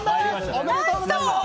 おめでとうございます！